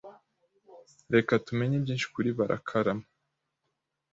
Reka tumenye byinshi kuri Barakarama.